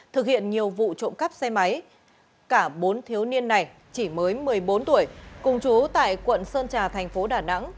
thực hiện nhiều vụ trộm cắp xe máy cả bốn thiếu niên này chỉ mới một mươi bốn tuổi cùng chú tại quận sơn trà thành phố đà nẵng